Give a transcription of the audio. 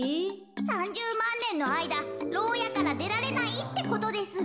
３０まんねんのあいだろうやからでられないってことです。